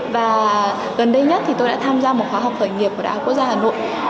và gần đây nhất thì tôi đã tham gia một khóa học khởi nghiệp của đại học quốc gia hà nội